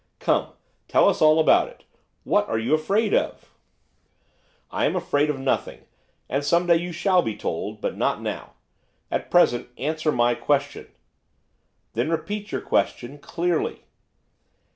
Come, tell us all about it! what are you afraid of?' 'I am afraid of nothing, and some day you shall be told, but not now. At present, answer my question.' 'Then repeat your question, clearly.